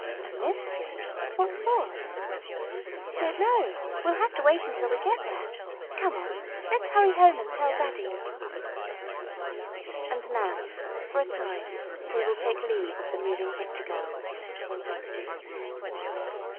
"A mystery? What sort?" "I don't know. We'll have to wait until we get there. Come on, let's hurry home and tell daddy." And now, for a time, we will take leave of the Moving Picture Girls.